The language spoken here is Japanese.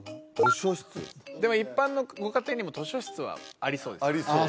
でも一般のご家庭にも図書室はありそうですよねありそう